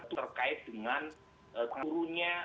terkait dengan turunnya